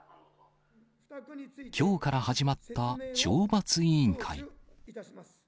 きょうから始まった懲罰委員会。